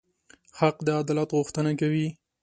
حق د عدالت غوښتنه کوي.